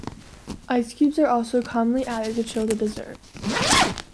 Ice cubes are also commonly added to chill the dessert.